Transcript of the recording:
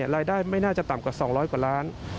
ไม่น่าจะต่ำกว่า๒๐๐กว่าล้าน